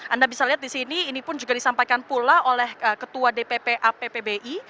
anda bisa lihat di sini ini pun juga disampaikan pula oleh ketua dpp appbi